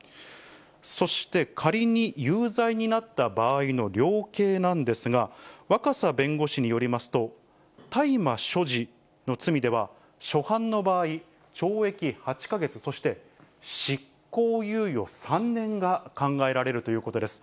そして仮に有罪になった場合の量刑なんですが、若狭弁護士によりますと、大麻所持の罪では、初犯の場合、懲役８か月、そして執行猶予３年が考えられるということです。